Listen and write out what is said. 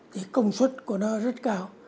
thì công suất của nó rất cao